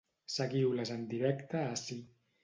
Seguiu-les en directe ací.